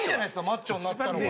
マッチョになったのが。